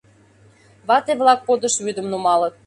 Вате-влак подыш вӱдым нумалыт.